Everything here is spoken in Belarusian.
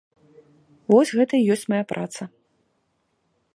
Вось гэта і ёсць мая праца.